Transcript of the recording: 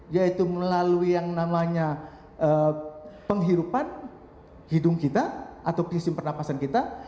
yaitu melalui yang namanya penghirupan hidung kita atau sistem pernapasan kita